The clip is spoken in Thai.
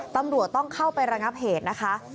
ตำรวจต้องเข้าไประงับเหตุนะคะ